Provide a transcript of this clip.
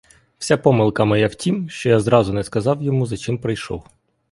Вся помилка моя в тім, що я зразу не сказав йому, за чим прийшов.